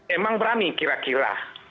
emang berani kira kira